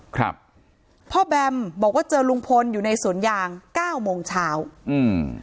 ครับพ่อแบมบอกว่าเจอลุงพลอยู่ในสวนยางเก้าโมงเช้าอืม